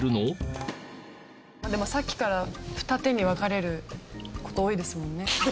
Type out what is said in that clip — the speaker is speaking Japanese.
でもさっきから二手に分かれる事多いですもんね。